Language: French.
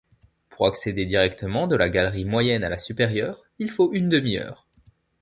Pour accéder directement de la galerie moyenne à la supérieure il faut une demi-heure.